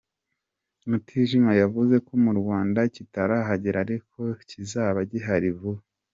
Mutijima yavuze ko mu Rwanda kitarahagera ariko kizaba gihari vuba.